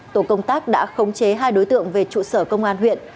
tổ công tác đã khống chế hai đối tượng về trụ sở công an huyện